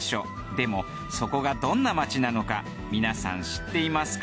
でもそこがどんな街なのか皆さん知っていますか？